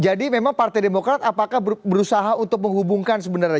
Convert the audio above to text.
jadi memang partai demokrat apakah berusaha untuk menghubungkan sebenarnya